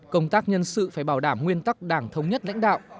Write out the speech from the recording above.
công tác nhân sự phải bảo đảm nguyên tắc đảng thống nhất lãnh đạo